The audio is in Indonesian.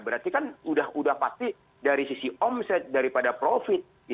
berarti kan sudah pasti dari sisi omset daripada profit itu sudah selesai